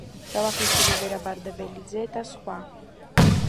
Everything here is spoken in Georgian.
ჯავახიშვილი, ვერა ბარდაველიძე და სხვა.